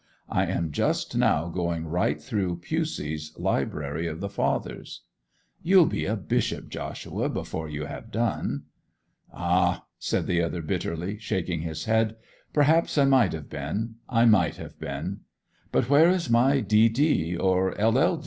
I am just now going right through Pusey's Library of the Fathers.' 'You'll be a bishop, Joshua, before you have done!' 'Ah!' said the other bitterly, shaking his head. 'Perhaps I might have been—I might have been! But where is my D.D. or LL.